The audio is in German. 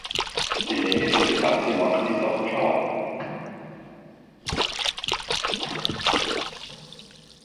Die Länge der Debatte macht dies auch klar.